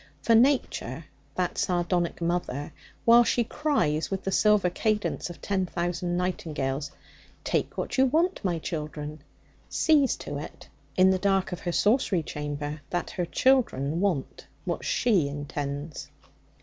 For Nature that sardonic mother while she cries with the silver cadence of ten thousand nightingales, 'Take what you want, my children,' sees to it, in the dark of her sorcery chamber, that her children want what she intends.